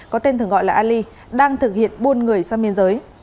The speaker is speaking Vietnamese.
có tên thường gọi là ali đang thực hiện buôn người sang biên giới